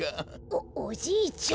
おおじいちゃん。